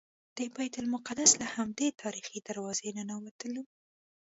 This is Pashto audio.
د بیت المقدس له همدې تاریخي دروازې ننوتلو.